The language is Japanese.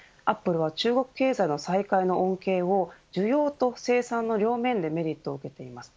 アップルは中国経済の再開の恩恵を需要と生産の両面でメリットを受けています。